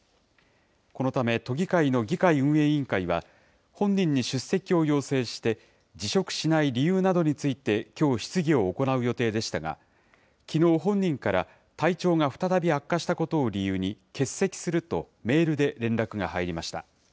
このため都議会の議会運営委員会は、本人に出席を要請して、辞職しない理由などについて、きょう質疑を行う予定でしたが、きのう、本人から体調が再び悪化したことを理由に欠席すると、メールで連絡が入りました。